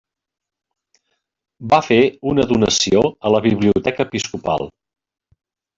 Va fer una donació a la biblioteca episcopal.